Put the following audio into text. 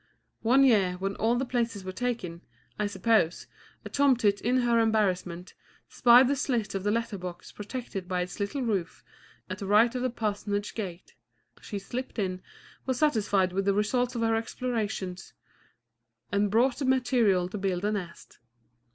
One year, when all the places were taken, I suppose, a tomtit, in her embarrassment, spied the slit of the letter box protected by its little roof, at the right of the parsonage gate. She slipped in, was satisfied with the result of her explorations, and brought the materials to build a nest.